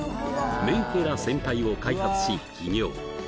「メンヘラせんぱい」を開発し起業